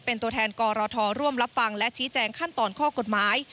เป็นตัวแทนกรทร่วมรับฟังและชี้แจงขั้นตอนข้อกฎหมาย